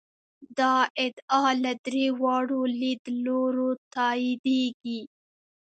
دا ادعا له درې واړو لیدلورو تاییدېږي.